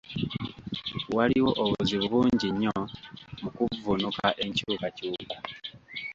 Waliwo obuzibu bungi nnyo mu kuvvuunuka enkyukakyuka.